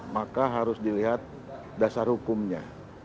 maka harus dilihat dasar hukumnya